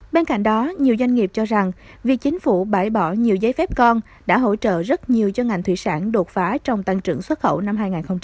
bên cạnh đó nhiều doanh nghiệp cho rằng việc chính phủ bãi bỏ nhiều giấy phép con đã hỗ trợ rất nhiều cho ngành thủy sản đột phá trong tăng trưởng xuất khẩu năm hai nghìn hai mươi